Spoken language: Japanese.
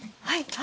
はい。